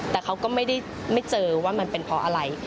แต่เขาก็ไม่ได้ไม่เจอว่ามันเป็นเพราะอะไร